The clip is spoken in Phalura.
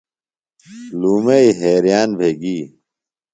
لومئی حیریان بھےۡ گی۔